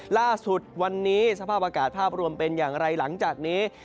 ล่าสุดวันนี้สภาพอากาศภาพรวมเป็นอย่างไรหลังจากนี้